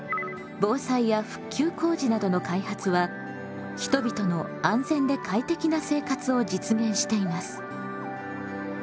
防災や復旧工事などの開発は人々の安全で快適な生活を実現しています。